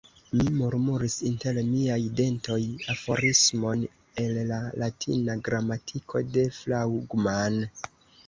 Mi murmuris inter miaj dentoj aforismon el la latina gramatiko de Fraugman.